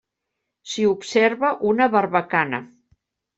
S'hi observa una barbacana.